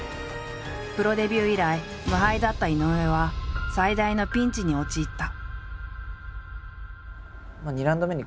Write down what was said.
プロデビュー以来無敗だった井上は最大のピンチに陥った。